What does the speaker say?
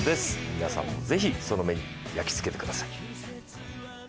皆さんもぜひその目に焼きつけてください。